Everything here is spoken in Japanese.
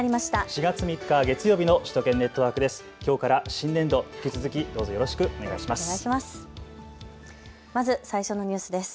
４月３日月曜日の首都圏ネットワークです。